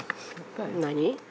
何？